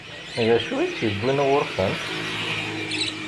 D acu i tt-iwwin ɣur-sent?